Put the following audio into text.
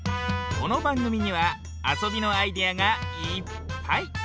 このばんぐみにはあそびのアイデアがいっぱい！